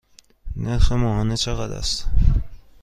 نرخ ماهانه چقدر است؟